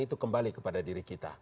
itu kembali kepada diri kita